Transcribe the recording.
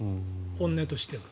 本音としては。